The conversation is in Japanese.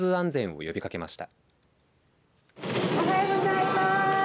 おはようございます。